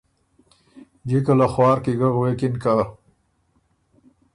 جِکه له خوار کی ګه غوېکِن که